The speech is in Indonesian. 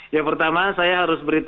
yang pertama saya harus beritahu